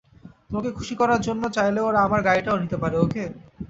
তোমাকে খুশি করার জন্য, চাইলে ওরা আমার গাড়িটাও নিতে পারে, ওকে?